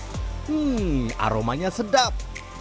hmm aromanya sedap